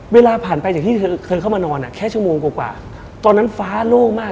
เวลาผ่านไปจากที่เธอเคยเข้ามานอนอ่ะแค่ชั่วโมงกว่าตอนนั้นฟ้าโล่งมาก